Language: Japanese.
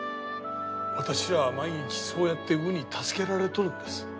私らは毎日そうやって鵜に助けられとるんです。